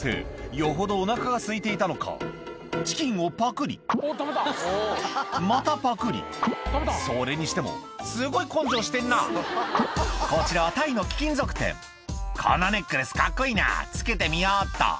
よほどおなかがすいていたのかチキンをパクリまたパクリそれにしてもすごい根性してんなこちらはタイの貴金属店「このネックレスカッコいいな着けてみようっと」